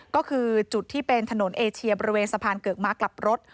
ก็คือจุดที่เป็นถนนเอเชียบริเวณสะพานเกือกม้ากลับรถ